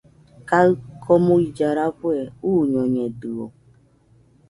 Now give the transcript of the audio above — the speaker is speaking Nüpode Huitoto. Kaɨ komuilla rafue uñoñedɨo